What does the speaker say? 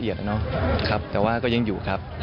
ยังอยู่นะครับ